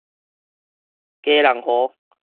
基隆河